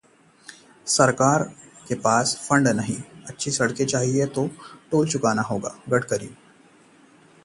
सरकार के पास फंड नहीं, अच्छी सड़कें चाहिए तो टोल चुकाना होगा: गडकरी